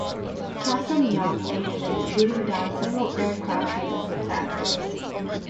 "Cassin Young" aided in shooting down several aircraft in this attack.